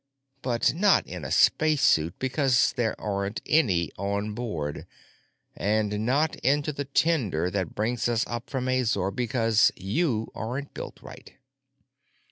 But not in a spacesuit, because there aren't any on board. And not into the tender that brings us up from Azor, because you aren't built right."